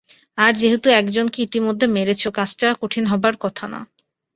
আর যেহেতু একজনকে ইতোমধ্যে মেরেছ, কাজটা কঠিন হবার কথা না।